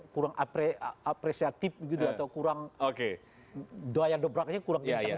kurang apresiatif gitu atau kurang doa yang dobraknya kurang kencang gitu